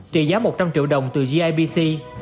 trị giá một trăm linh triệu đồng từ gibc